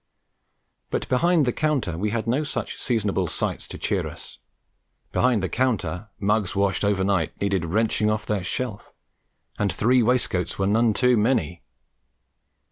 But behind the counter we had no such seasonable sights to cheer us; behind the counter, mugs washed overnight needed wrenching off their shelf, and three waistcoats were none too many.